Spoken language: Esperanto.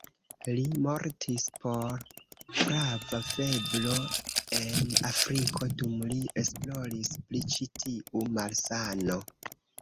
Li mortis pro flava febro en Afriko, dum li esploris pri ĉi-tiu malsano.